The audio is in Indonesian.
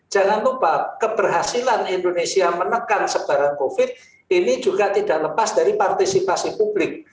jangan lupa keberhasilan indonesia menekan sebaran covid ini juga tidak lepas dari partisipasi publik